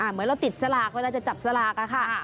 เหมือนเราติดสลากเวลาจะจับสลากค่ะ